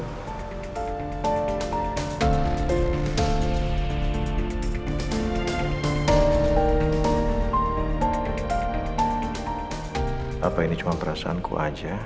apa ini cuma perasaanku aja